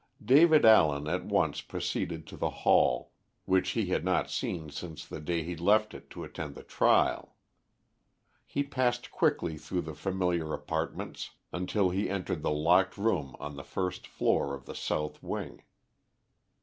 David Allen at once proceeded to the Hall, which he had not seen since the day he left it to attend the trial. He passed quickly through the familiar apartments until he entered the locked room on the first floor of the south wing.